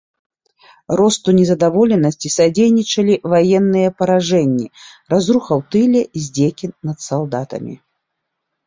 Росту незадаволенасці садзейнічалі ваенныя паражэнні, разруха ў тыле, здзекі над салдатамі.